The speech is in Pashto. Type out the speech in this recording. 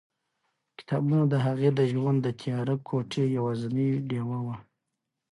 کتابونه د هغې د ژوند د تیاره کوټې یوازینۍ ډېوه وه.